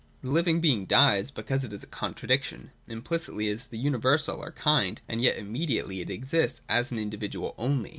The living being dies, because it is a contradiction. Im plicitly it is the universal or Kind, and yet immediately it exists as an individual only.